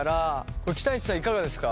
これ北西さんいかがですか？